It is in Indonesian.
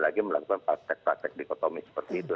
lagi melakukan praktek praktek dikotomis seperti itu